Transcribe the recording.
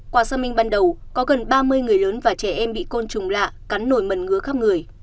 quả sơ minh ban đầu có gần ba mươi người lớn và trẻ em bị côn trùng lạ cắn nổi mẩn ngứa khắp người